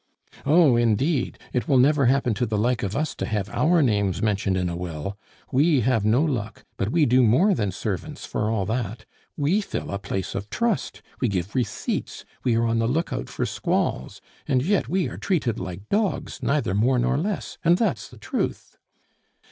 "Oh, indeed! It will never happen to the like of us to have our names mentioned in a will! We have no luck, but we do more than servants, for all that. We fill a place of trust; we give receipts, we are on the lookout for squalls, and yet we are treated like dogs, neither more nor less, and that's the truth!"